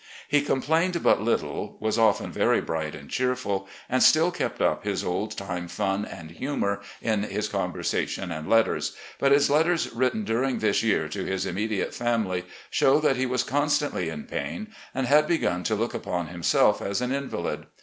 Va. 38o recollections OP GENERAL LEE complained but little, was often very bright and cheerful, and still kept up his old time fun and humour in his con versation and letters, but his letters written during this year to his immediate family show that he was constantly in pain and had begun to look upon himself as an invalid.